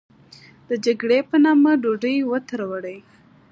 د جګړې په نامه ډوډۍ و تروړي.